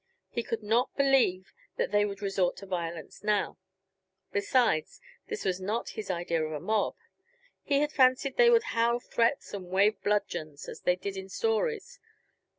He could not believe that they would resort to violence now. Besides, this was not his idea of a mob; he had fancied they would howl threats and wave bludgeons, as they did in stories.